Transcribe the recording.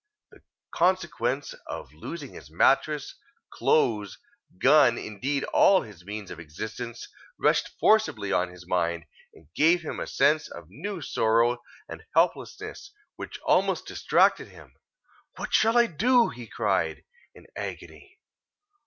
The consequence of losing his mattress, clothes, gun, indeed, all his means of existence, rushed forcibly on his mind, and gave him a sense of new sorrow and helplessness which almost distracted him.—"What shall I do?" he cried, in agony.